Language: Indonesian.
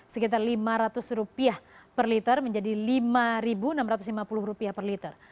sekitar lima ratus rupiah per liter menjadi lima enam ratus lima puluh rupiah per liter